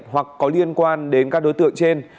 hoặc có liên quan đến các đối tượng trên